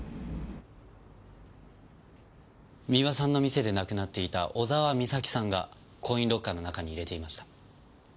三輪さんの店で亡くなっていた小沢美咲さんがコインロッカーの中に入れていました。